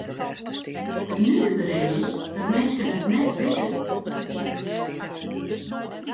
It nuvere is dat de minsken it net witte.